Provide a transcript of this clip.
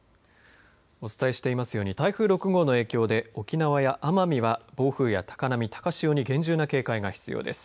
お伝えしていますように台風６号の影響で沖縄や奄美は暴風や高波、高潮に厳重な警戒が必要です。